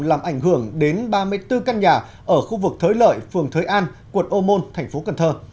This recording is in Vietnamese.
làm ảnh hưởng đến ba mươi bốn căn nhà ở khu vực thới lợi phường thới an quận ô môn thành phố cần thơ